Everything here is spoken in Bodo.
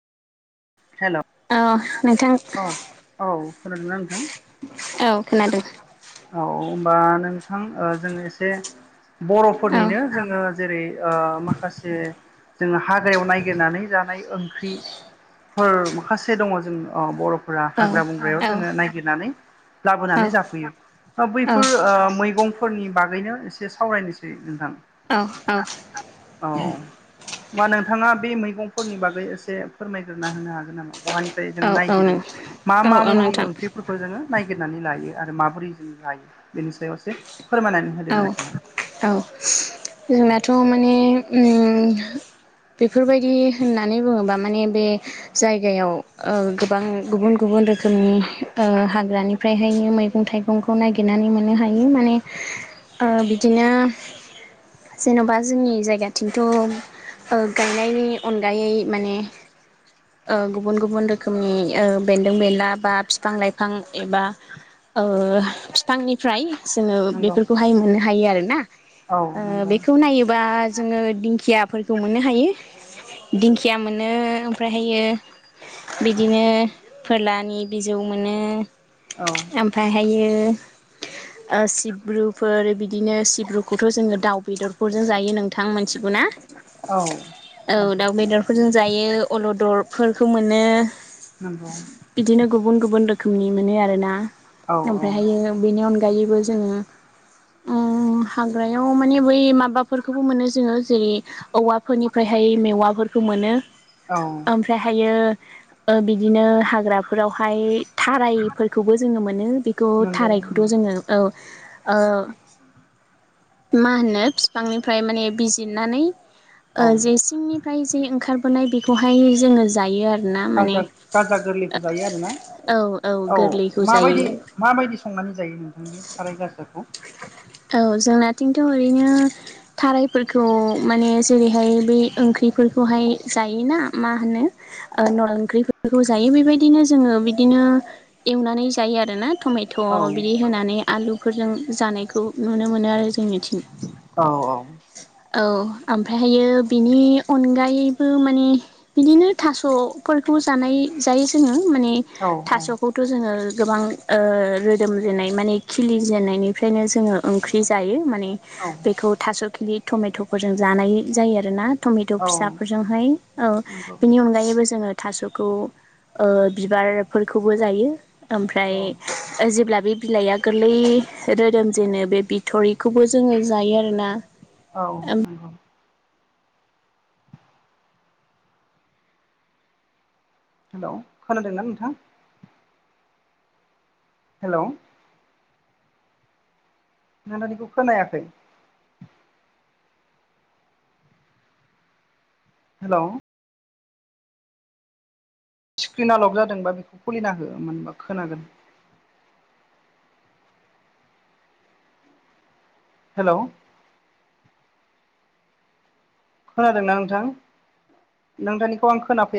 हेल' औ औ खोनादों ना नोंथां? औ खोनादों । होनबा नोंथां ओ जोङो एसे औ बर'फोरनिनो जोङो जेरै ओ माखासे जोङो हाग्रायाव नायगिरनानै जानाय ओंख्रि फोर माखासे दङ जों अ बर'फोरा औ हाग्रा बंग्रायाव औ जोङो नायगिरनानै लाबोनानै औ जाफैयो बैफोर ओ मैगं फोरनि बागैनो एसे सावरायनोसै नोंथां । औ औ । मा नोंथाङा बे मैगंफोरनि बागै एसे फोरमायग्रोना होनो हागोन नामा? बहानिफ्राय जों औ नायगिरो नों मा औ मा औ मुंनि नोंथां ओंख्रिफोरखौ जोङो नायगिरनानै लायो आरो माबोरै जों जायो बेनि सायाव एसे फोरमायनानै होदो औ नोंथाङा । औ जोंनाथ' माने उम्म बेफोरबायदि होननानै बुङोबा माने बे जायगायाव ओ गोबां गुबुन गुबुन बुन रोखोमनि ओ हाग्रानिफ्राय हायनो मैगं थाइगंखौ नागिरनानै मोननो हायो माने ओ बिदिनो जेन'बा जोंनि जायगाथिंथ' ओ गायनायनि अनगायै माने ओ गुबुन गुबुन रोखोमनि ओ बेन्दों बेनला बा बिफां लाइफां एबा ओ फिफांनिफ्राय जोङो नंगौ बेफोरखौहाय मोननो हायो आरो ना औ ओ नंगौ बेखौ नायोबा जोङो दिंखिया फोरखौ मोननो हायो दिंखिया मोनो ओमफ्राय हायो बिदिनो फोरलानि बिजौ मोनो औ ओमफ्रायहायो सिब्रुफोर बिदि बिदिनो सिब्रुखौथ' जोङो दाउ बेदरफोरजों जायो नोंथां मोनथिगौना? औ औ दाउ बेदरफोरजों जायो । अलदर फोरखौ मोनो नंगौ बिदिनो गुबुन गुबुन रो खोमनि मोनो आरोना औ औ ओमफ्रायहायो बेनि अनगायैबो जोङो उम हाग्रायाव माने बै माबाफोरखौबो मोनो जोङो जेरै औवाफोरनिफ्रायहाय मेवाफोर खौ मोनो । औ । हायो ओ बिदिनो हाग्राफोरावहाय थारायफोरखौबो जोङो मोनो । खौ नंगौ थारायखौथ' जोङो औ। मा होनो बिफांनिफ्राय माने बिजिरनानै। ओ औ जे सिंनिफ्राय जे ओंखारबोनाय बेखौहाय जोङो जायो आरो। गाजा गाजा गोरलैखौ जायो आरोना। औ औ गोरलैखौ माबायदि जायो माबायदि संनानै जायो नोंथां बे थाराय गाजाखौ औ जोंनाथिंथ' ओरैनो थारायफोरखौ माने जेरैहाय बै ओंख्रि ओंख्रिफोरखौहाय जाय ना मा होनो न ओंख्रिफोरखौ जायो बेबायदिनो जोङो बिदिनो बिदिनो एवनानै जायो आरोना टमेट' औ बिदि होनानै आलुफोरजों जानायखौ नुनो मोनो आरो जोंनिथिं औ औ औ ओमफ्रायहायो बिनि अनगायैबो माने बिदिनो थास'फोरखौ जानाय जायो जोङो माने औ थास'खौथ' जोङो गोबां ओ रोदोम जेननाय माने खिलि जेननायनिफ्रायनो जोङो ओंख्रि जायो माने औ बेखौ थास' खिलि टमेट'फोरजों जानाय जायो आरोना टमेट' औ फिसाफोरजोंहाय औ नंगौ बिनि अनगायैबो जोङो थास'खौ ओ बिबारफोरखौबो जायो औ ओमफ्राय जेब्ला बे बिलाइआ गोरलै रोदोम जेनो बे बिथरिखौबो जोङो जायो आरोना औ ओम नंगौ। हेलौ खोनादोंना नोंथां। हेल'। नोंथांनिखौ खोनायाखै। हेल'। स्क्रिना लक जादोंबा बेखौ खुलिना हो मोनबा खोनागोन। हेल'। खोनादोंना नोंथां नोंथांनिखौ आं खोनाफैया।